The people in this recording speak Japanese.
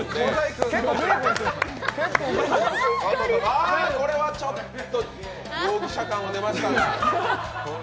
ああ、これはちょっと容疑者感が出ました。